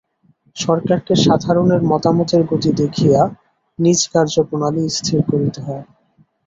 সরকারকে সাধারণের মতামতের গতি দেখিয়া নিজ কার্যপ্রণালী স্থির করিতে হয়।